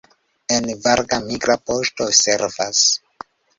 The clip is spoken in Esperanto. En Varga migra poŝto servas.